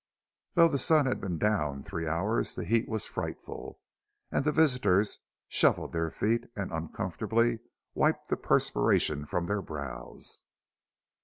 Though the sun had been down three hours the heat was frightful and the visitors shuffled their feet and uncomfortably wiped the perspiration from their brows.